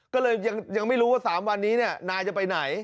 ก็เลยยังไม่รู้ว่า๓วันนี้นายจะไปไหน